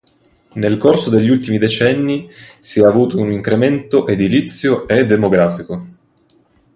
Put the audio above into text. Nel corso degli ultimi decenni si ha avuto un incremento edilizio e demografico.